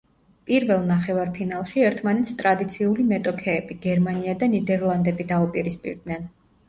პირველ ნახევარფინალში ერთმანეთს ტრადიციული მეტოქეები, გერმანია და ნიდერლანდები დაუპირისპირდნენ.